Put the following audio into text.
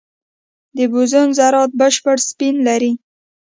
د بوزون ذرات بشپړ سپین لري.